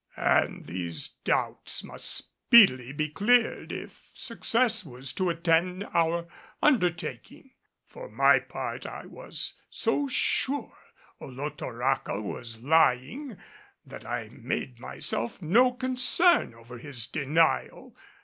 And these doubts must speedily be cleared if success was to attend our undertaking. For my part I was so sure Olotoraca was lying, that I made myself no concern over his denial.